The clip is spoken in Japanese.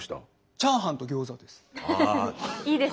チャーハンとギョーザです。